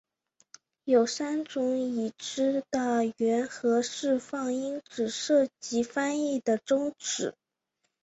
有三种已知的原核释放因子涉及翻译的终止。